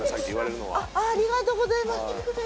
ありがとうございます。